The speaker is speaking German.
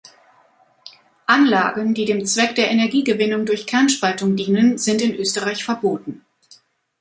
Anlagen, die dem Zweck der Energiegewinnung durch Kernspaltung dienen, sind in Österreich verboten.